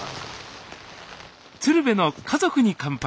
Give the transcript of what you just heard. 「鶴瓶の家族に乾杯」